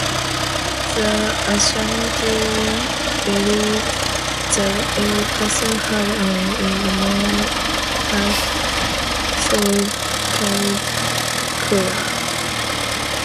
The Ashanti believed that every person had an immortal soul called Kra.